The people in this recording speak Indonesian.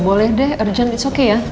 boleh deh urgent it's okay ya